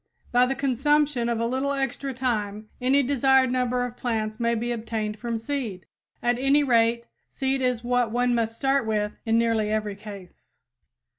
By the consumption of a little extra time, any desired number of plants may be obtained from seed. At any rate, seed is what one must start with in nearly every case.